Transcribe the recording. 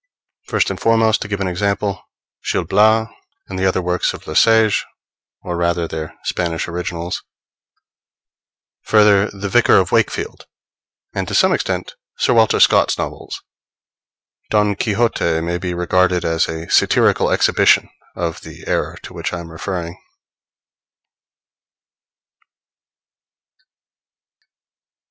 First and foremost, to give an example, Gil Blas, and the other works of Le Sage (or rather their Spanish originals); further, The Vicar of Wakefield, and, to some extent Sir Walter Scott's novels. Don Quixote may be regarded as a satirical exhibition of the error to which I am referring.